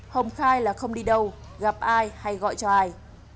hồng khai là không đi đâu gặp ai hay gọi cho ai